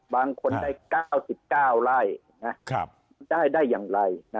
บางคนได้๙๙ไร่ได้อย่างไร